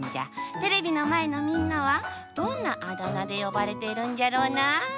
テレビのまえのみんなはどんなあだなでよばれてるんじゃろうな。